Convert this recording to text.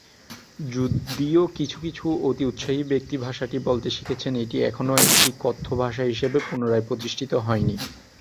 যদিও কিছু কিছু অতি-উৎসাহী ব্যক্তি ভাষাটি বলতে শিখেছেন, এটি এখনও একটি কথ্য ভাষা হিসেবে পুনরায় প্রতিষ্ঠিত হয়নি।